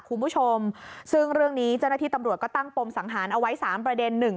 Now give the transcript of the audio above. คุณผู้ชมซึ่งเรื่องนี้เจ้าหน้าที่ตำรวจก็ตั้งปมสังหารเอาไว้สามประเด็นหนึ่ง